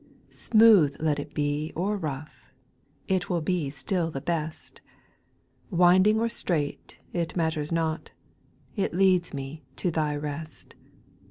2. Smooth let it be or rough, It will be still the best ; Winding or straight it matters not, It leads me to Thy rest.